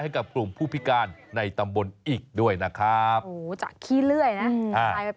ให้กับกลุ่มผู้พิการในตำบลอีกด้วยนะครับ